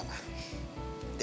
nanti ada warna putih